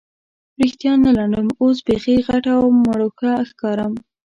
وریښتان نه لنډوم، اوس بیخي غټه او مړوښه ښکارم.